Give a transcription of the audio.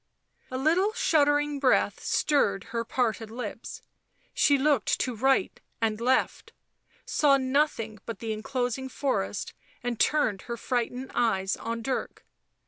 A little shuddering breath stirred her parted lips ; she looked to right and left, saw nothing but the enclosing forest, and turned her frightened eyes on Dirk.